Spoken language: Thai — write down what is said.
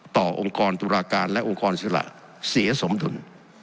องค์กรตุลาการและองค์กรอิสระเสียสมดุล